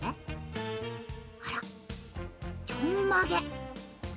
あらちょんまげ。